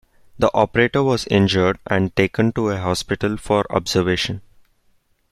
The operator was injured and taken to a hospital for observation.